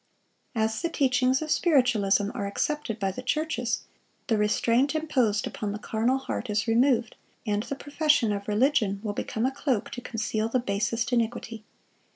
As the teachings of Spiritualism are accepted by the churches, the restraint imposed upon the carnal heart is removed, and the profession of religion will become a cloak to conceal the basest iniquity.